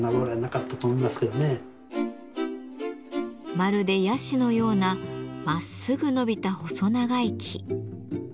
まるでヤシのようなまっすぐ伸びた細長い木。